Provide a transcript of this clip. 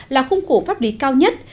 là khung khổ pháp lý cao nhất